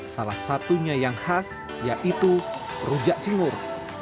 salah satunya yang khas yaitu rujak cingur